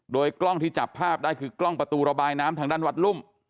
โดยกล้องที่จับภาพได้คือกล้องประตูระบายน้ำทางด้านวัดรุ่ม